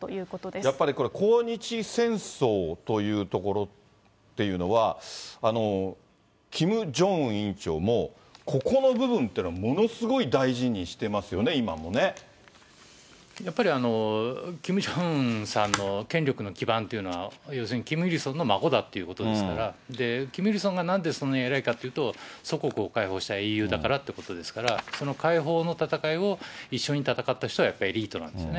やっぱりこれ、抗日戦争というところっていうのは、キム・ジョンウン委員長も、ここの部分っていうのはものすごい大事にしてやっぱり、キム・ジョンウンさんの権力の基盤っていうのは、要するにキム・イルソンの孫だということですから、キム・イルソンがなんで、そんなに偉いかっていうと、祖国を解放した英雄だからってことですから、その解放の戦いを一緒に戦った人はやっぱり、エリートなんですよね。